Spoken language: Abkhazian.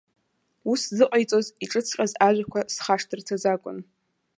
Ус зыҟаиҵоз, иҿыҵҟьаз ажәақәа схашҭырц азакәын.